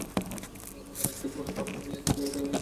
ওপরের একটি ভোট কক্ষে গিয়ে দেখা গেল, গোপন বুথে একসঙ্গে তিনজন।